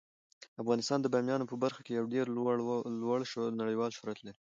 افغانستان د بامیان په برخه کې یو ډیر لوړ نړیوال شهرت لري.